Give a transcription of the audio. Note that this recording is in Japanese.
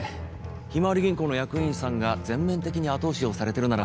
ひまわり銀行の役員さんが全面的に後押しをされてるなら